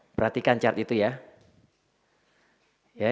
perhatikan cat itu ya